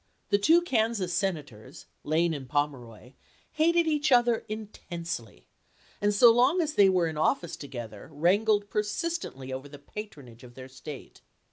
The two Kansas Senators, Lane and Pomeroy, hated each other intensely, and so long as they were in office together wrangled persistently over the patronage of their State.